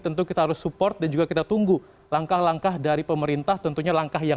tentu kita harus support dan juga kita tunggu langkah langkah dari pemerintah tentunya langkah yang